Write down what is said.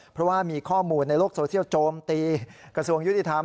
เพราะว่ามีข้อมูลในโลกโซเชียลโจมตีกระทรวงยุติธรรม